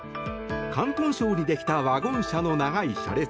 広東省にできたワゴン車の長い車列。